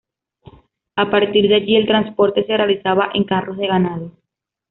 A partir de allí el transporte se realizaba en carros de ganado.